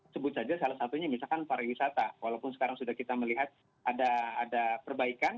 sebut saja salah satunya misalkan pariwisata walaupun sekarang sudah kita melihat ada perbaikan